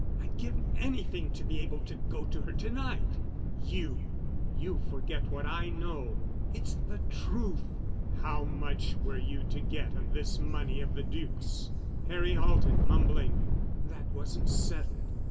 I'd give anything to be able to go to her to night——" "You——! You forget what I know." "It's the truth." "How much were you to get of this money of the Duc's?" Harry halted, mumbling, "That wasn't settled."